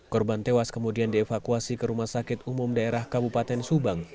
korban tewas kemudian dievakuasi ke rumah sakit umum daerah kabupaten subang